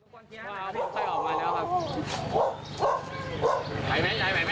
กูค่อยออกมาแล้วครับไหวไหมไหวไหม